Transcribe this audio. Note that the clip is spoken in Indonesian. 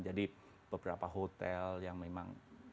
jadi beberapa hotel yang memang